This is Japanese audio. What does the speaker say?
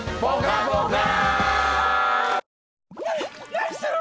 何してる！